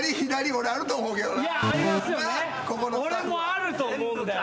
俺もあると思うんだよな。